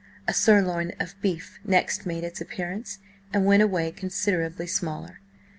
A sirloin of beef next made its appearance, and went away considerably smaller.